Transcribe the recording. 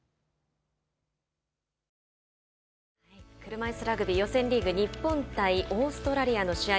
車いすラグビー予選リーグ日本対オーストラリアの試合。